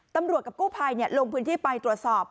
ตำรวจกับกู้ภัยเนี่ยลงพื้นที่ไปตรวจสอบ